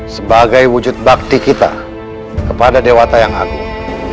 sebagai wujud bakti kita kepada dewa tayang agung